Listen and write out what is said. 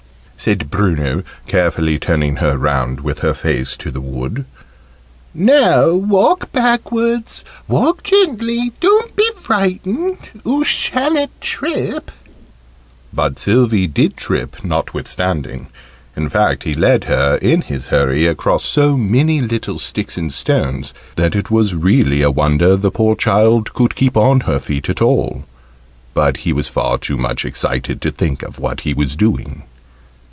said Bruno, carefully turning her round with her face to the wood. "Now, walk backwards walk gently don't be frightened: oo sha'n't trip!" But Sylvie did trip notwithstanding: in fact he led her, in his hurry, across so many little sticks and stones, that it was really a wonder the poor child could keep on her feet at all. But he was far too much excited to think of what he was doing.